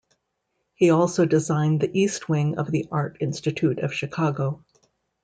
He also designed the east wing of the Art Institute of Chicago.